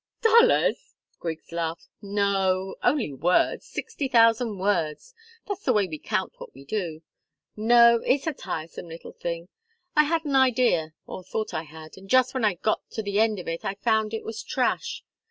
"Dollars!" Griggs laughed. "No only words. Sixty thousand words. That's the way we count what we do. No it's a tiresome little thing. I had an idea, or thought I had, and just when I got to the end of it I found it was trash.